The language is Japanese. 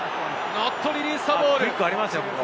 ノットリリースザボール。